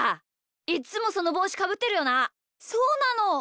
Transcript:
いっつもそのぼうしかぶってるよな。